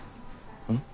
うん？